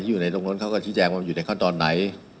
อยู่ในตรงเขาก็แชร์แจงว่าอยู่ในข้อนตอนไหน